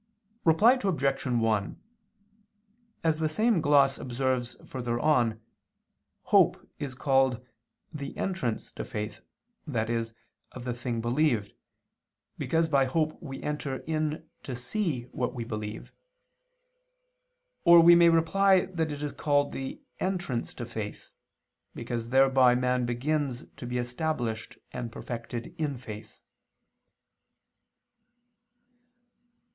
Reply Obj. 1: As the same gloss observes further on, "hope" is called "the entrance" to faith, i.e. of the thing believed, because by hope we enter in to see what we believe. Or we may reply that it is called the "entrance to faith," because thereby man begins to be established and perfected in faith.